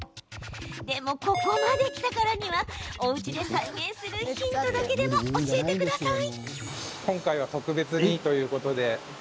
でも、ここまで来たからにはおうちで再現するヒントだけでも教えてください。